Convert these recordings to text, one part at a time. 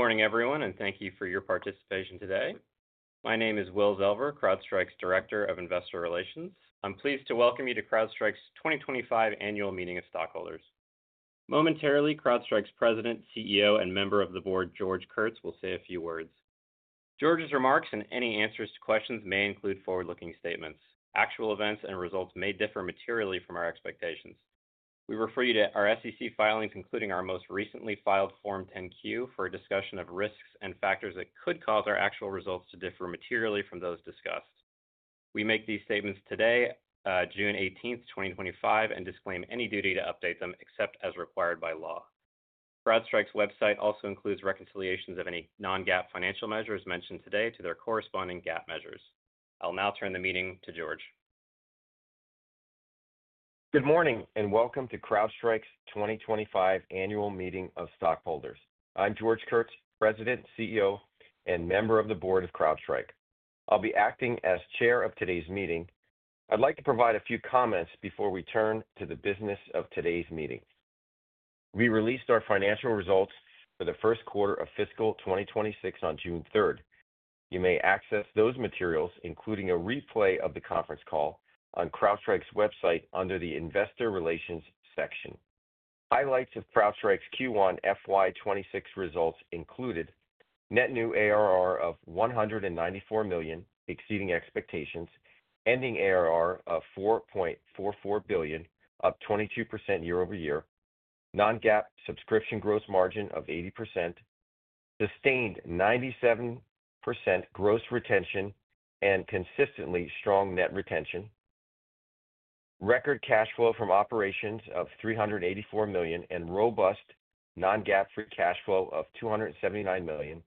Good morning, everyone, and thank you for your participation today. My name is Will Zelver, CrowdStrike's Director of Investor Relations. I'm pleased to welcome you to CrowdStrike's 2025 Annual Meeting of Stockholders. Momentarily, CrowdStrike's President, CEO, and member of the board, George Kurtz, will say a few words. George's remarks and any answers to questions may include forward-looking statements. Actual events and results may differ materially from our expectations. We refer you to our SEC filings, including our most recently filed Form 10-Q, for a discussion of risks and factors that could cause our actual results to differ materially from those discussed. We make these statements today, June 18, 2025, and disclaim any duty to update them except as required by law. CrowdStrike's website also includes reconciliations of any non-GAAP financial measures mentioned today to their corresponding GAAP measures. I'll now turn the meeting to George. Good morning and welcome to CrowdStrike's 2025 Annual Meeting of Stockholders. I'm George Kurtz, President, CEO, and member of the board of CrowdStrike. I'll be acting as chair of today's meeting. I'd like to provide a few comments before we turn to the business of today's meeting. We released our financial results for the first quarter of fiscal 2026 on June 3. You may access those materials, including a replay of the conference call, on CrowdStrike's website under the Investor Relations section. Highlights of CrowdStrike's Q1 FY26 results included net new ARR of $194 million, exceeding expectations. Ending ARR of $4.44 billion, up 22% year-over-year. Non-GAAP subscription gross margin of 80%. Sustained 97% gross retention and consistently strong net retention. Record cash flow from operations of $384 million and robust non-GAAP free cash flow of $279 million.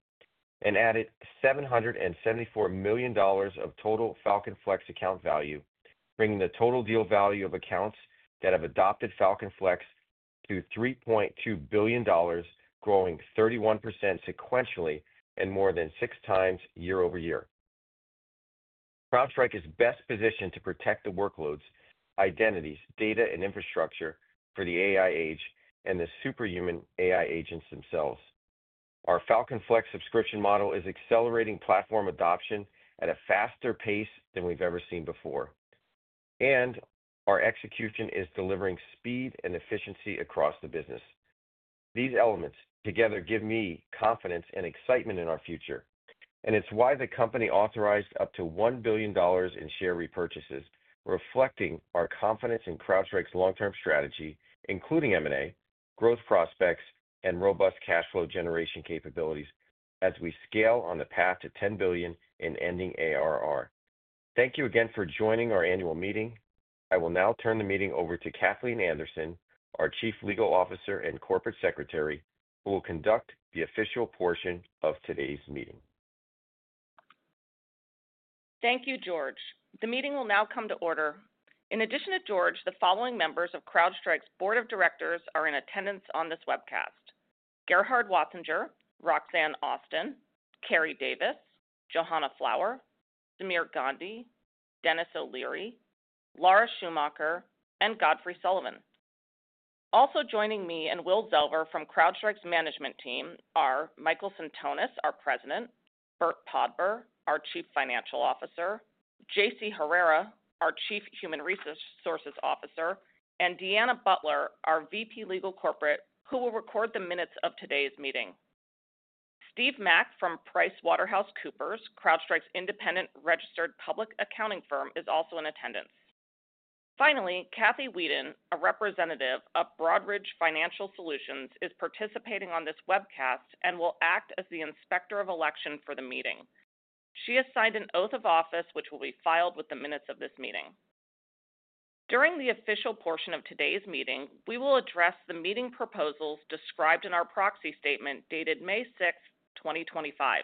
Added $774 million of total Falcon Flex account value, bringing the total deal value of accounts that have adopted Falcon Flex to $3.2 billion, growing 31% sequentially and more than six times year-over-year. CrowdStrike is best positioned to protect the workloads, identities, data, and infrastructure for the AI age and the superhuman AI agents themselves. Our Falcon Flex subscription model is accelerating platform adoption at a faster pace than we've ever seen before, and our execution is delivering speed and efficiency across the business. These elements together give me confidence and excitement in our future, and it's why the company authorized up to $1 billion in share repurchases, reflecting our confidence in CrowdStrike's long-term strategy, including M&A, growth prospects, and robust cash flow generation capabilities as we scale on the path to $10 billion in ending ARR. Thank you again for joining our annual meeting. I will now turn the meeting over to Cathleen Anderson, our Chief Legal Officer and Corporate Secretary, who will conduct the official portion of today's meeting. Thank you, George. The meeting will now come to order. In addition to George, the following members of CrowdStrike's Board of Directors are in attendance on this webcast: Gerhard Watzinger, Roxanne Austin, Cary Davis, Johanna Flower, Sameer Gandhi, Denis O'Leary, Laura Schumacher, and Godfrey Sullivan. Also joining me and Will Zelver from CrowdStrike's management team are Michael Sentonas, our President; Burt Podbere, our Chief Financial Officer; JC Herrera, our Chief Human Resources Officer; and Deanna Butler, our VP Legal Corporate, who will record the minutes of today's meeting. Steve Mack from PricewaterhouseCoopers, CrowdStrike's independent registered public accounting firm, is also in attendance. Finally, Kathy Wieden, a representative of Broadridge Financial Solutions, is participating on this webcast and will act as the Inspector of Election for the meeting. She has signed an oath of office, which will be filed with the minutes of this meeting. During the official portion of today's meeting, we will address the meeting proposals described in our proxy statement dated May 6, 2025.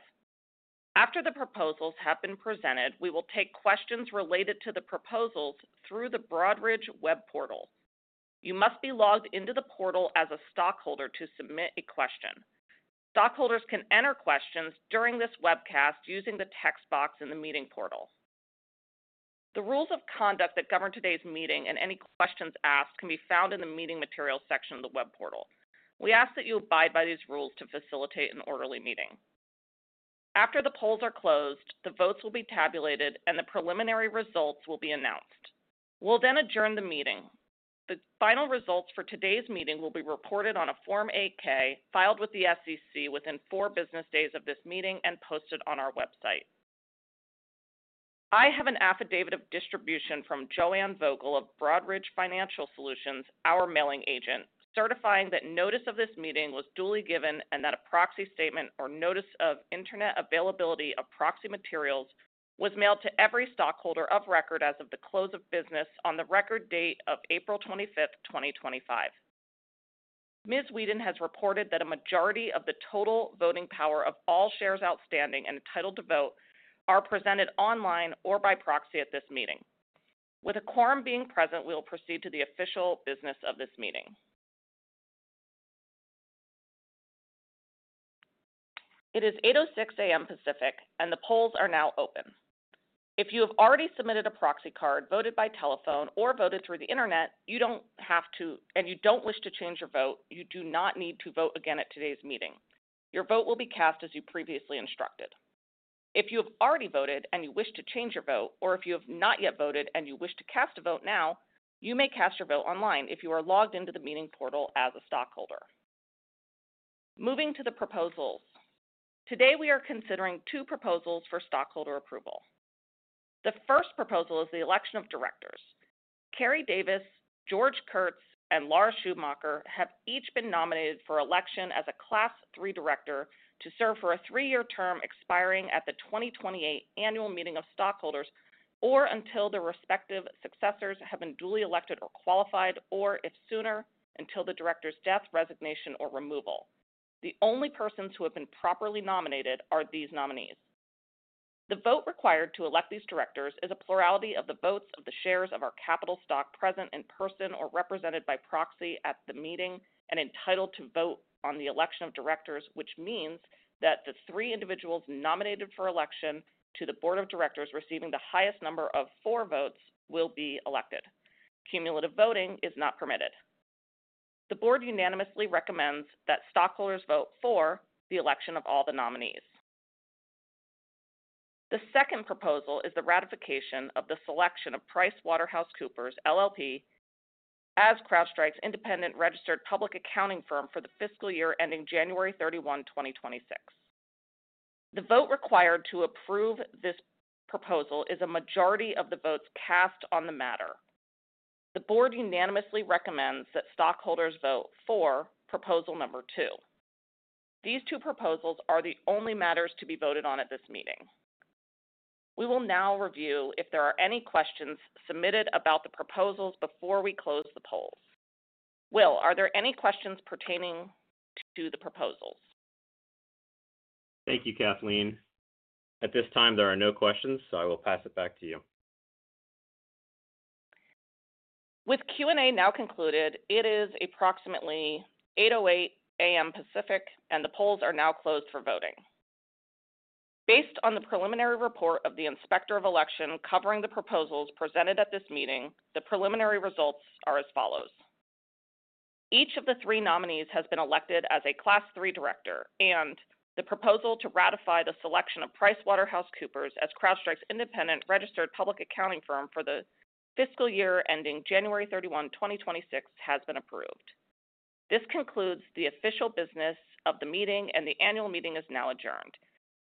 After the proposals have been presented, we will take questions related to the proposals through the Broadridge web portal. You must be logged into the portal as a stockholder to submit a question. Stockholders can enter questions during this webcast using the text box in the meeting portal. The rules of conduct that govern today's meeting and any questions asked can be found in the meeting materials section of the web portal. We ask that you abide by these rules to facilitate an orderly meeting. After the polls are closed, the votes will be tabulated, and the preliminary results will be announced. We'll then adjourn the meeting. The final results for today's meeting will be reported on a Form 8-K filed with the SEC within four business days of this meeting and posted on our website. I have an affidavit of distribution from Joanne Vogel of Broadridge Financial Solutions, our mailing agent, certifying that notice of this meeting was duly given and that a proxy statement or notice of internet availability of proxy materials was mailed to every stockholder of record as of the close of business on the record date of April 25, 2025. Ms. Wieden has reported that a majority of the total voting power of all shares outstanding and entitled to vote are presented online or by proxy at this meeting. With a quorum being present, we will proceed to the official business of this meeting. It is 8:06 A.M. Pacific, and the polls are now open. If you have already submitted a proxy card, voted by telephone, or voted through the internet, you don't have to, and you don't wish to change your vote, you do not need to vote again at today's meeting. Your vote will be cast as you previously instructed. If you have already voted and you wish to change your vote, or if you have not yet voted and you wish to cast a vote now, you may cast your vote online if you are logged into the meeting portal as a stockholder. Moving to the proposals. Today, we are considering two proposals for stockholder approval. The first proposal is the election of directors. Cary Davis, George Kurtz, and Laura Schumacher have each been nominated for election as a Class III director to serve for a three-year term expiring at the 2028 Annual Meeting of Stockholders or until the respective successors have been duly elected or qualified, or if sooner, until the director's death, resignation, or removal. The only persons who have been properly nominated are these nominees. The vote required to elect these directors is a plurality of the votes of the shares of our capital stock present in person or represented by proxy at the meeting and entitled to vote on the election of directors, which means that the three individuals nominated for election to the Board of Directors receiving the highest number of votes will be elected. Cumulative voting is not permitted. The board unanimously recommends that stockholders vote for the election of all the nominees. The second proposal is the ratification of the selection of PricewaterhouseCoopers LLP as CrowdStrike's independent registered public accounting firm for the fiscal year ending January 31, 2026. The vote required to approve this proposal is a majority of the votes cast on the matter. The board unanimously recommends that stockholders vote for proposal number two. These two proposals are the only matters to be voted on at this meeting. We will now review if there are any questions submitted about the proposals before we close the polls. Will, are there any questions pertaining to the proposals? Thank you, Cathleen. At this time, there are no questions, so I will pass it back to you. With Q&A now concluded, it is approximately 8:08 A.M. Pacific, and the polls are now closed for voting. Based on the preliminary report of the Inspector of Election covering the proposals presented at this meeting, the preliminary results are as follows. Each of the three nominees has been elected as a Class III director, and the proposal to ratify the selection of PricewaterhouseCoopers as CrowdStrike's independent registered public accounting firm for the fiscal year ending January 31, 2026, has been approved. This concludes the official business of the meeting, and the annual meeting is now adjourned.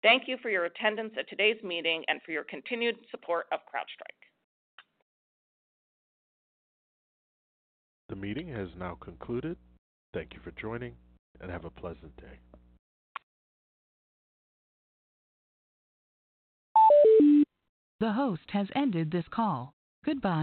Thank you for your attendance at today's meeting and for your continued support of CrowdStrike. The meeting has now concluded. Thank you for joining, and have a pleasant day. The host has ended this call. Goodbye.